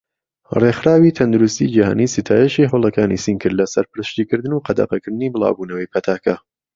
ڕێخراوی تەندروستی جیهانی ستایشی هەوڵەکانی سین کرد لە سەرپەرشتی کردن و قەدەغەکردنی بڵاوبوونەوەی پەتاکە.